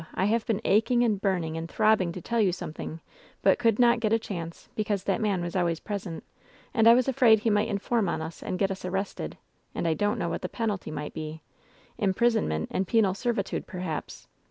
I have been aching and burning and throbbing to tell you something, but could not get a chance, because that man was always present, and I was afraid he might inform on us and get us arrested, and I didn't know what the penalty might be — ^imprisonment and penal servitude, perhaps.